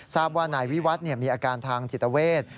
ทราบว่านายวิวัฒน์มีอาการทางจิตเวท